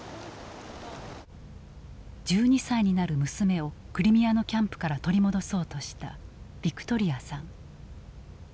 １２歳になる娘をクリミアのキャンプから取り戻そうとしたヴィクトリアさん。